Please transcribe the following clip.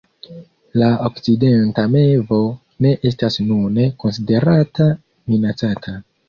La Okcidenta mevo ne estas nune konsiderata minacata.